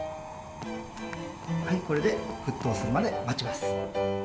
はいこれで沸騰するまで待ちます。